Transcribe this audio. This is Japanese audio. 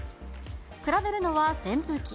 比べるのは扇風機。